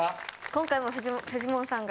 今回もフジモンさんが。